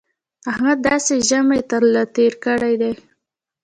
احمد داسې ژامې تر له تېرې کړې دي